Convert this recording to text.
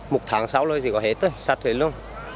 một tháng sau rồi thì có hết sạch hết luôn